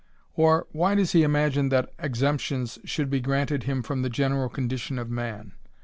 Or, why does he imagine that exemptions should be granted him from the general condition of man